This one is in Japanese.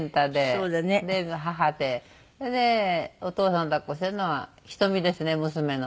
それでお父さん抱っこしてるのはひとみですね娘の。